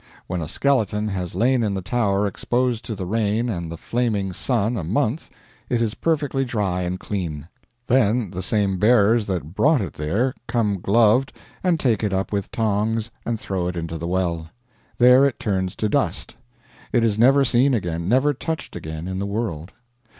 When a skeleton has lain in the Tower exposed to the rain and the flaming sun a month it is perfectly dry and clean. Then the same bearers that brought it there come gloved and take it up with tongs and throw it into the well. There it turns to dust. It is never seen again, never touched again, in the world.